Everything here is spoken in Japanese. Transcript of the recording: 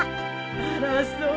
あらそう。